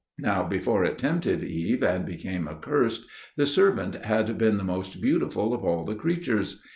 Now before it tempted Eve and became accursed, the serpent had been the most beautiful of all the creatures.